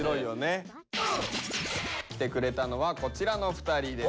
来てくれたのはこちらの２人です。